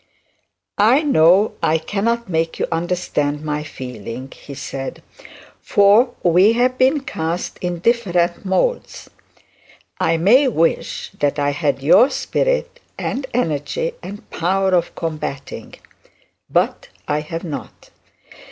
'I know I cannot make you understand my feeling,' he said, 'for we have been cast in different moulds. I may wish that I had your spirit and energy and power of combatting; but I have not.